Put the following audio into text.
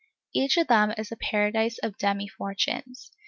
Each of them is a "paradise of demi fortunes."